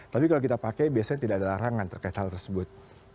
tapi kalau kita pakai biasanya tidak ada larangan terkait hal tersebut